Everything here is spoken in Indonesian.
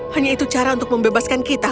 hanya itu cara untuk membebaskan kita